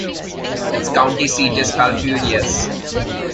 Its county seat is Falfurrias.